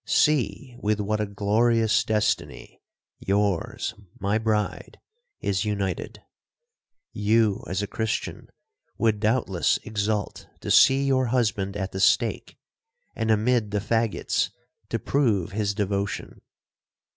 See with what a glorious destiny yours, my bride, is united! You, as a Christian, would doubtless exult to see your husband at the stake,—and amid the faggots to prove his devotion.